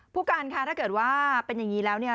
ผู้การค่ะถ้าเกิดว่าเป็นอย่างนี้แล้วเนี่ย